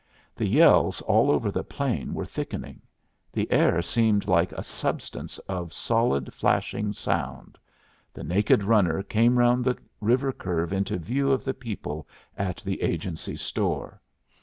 The yells all over the plain were thickening. The air seemed like a substance of solid flashing sound. The naked runner came round the river curve into view of the people at the agency store.